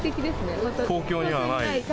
東京にはない。